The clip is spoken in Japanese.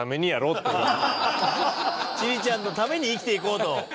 千里ちゃんのために生きていこうと。